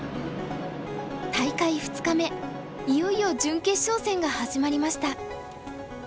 大会２日目いよいよ準決勝戦が始まりました。